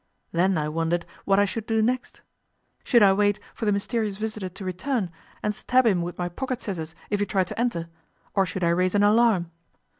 Then I wondered what I should do next. Should I wait for the mysterious visitor to return, and stab him with my pocket scissors if he tried to enter, or should I raise an alarm?